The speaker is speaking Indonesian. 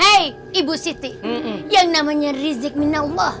hei ibu siti yang namanya rizik min allah